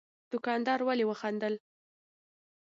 دوکاندار ولي وخندل؟